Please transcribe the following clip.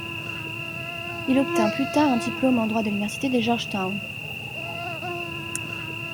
Il obtint plus tard un diplôme en droit de l'université de Georgetown.